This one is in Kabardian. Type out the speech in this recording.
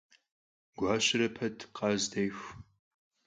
Guaşere pet, khaz dêxu.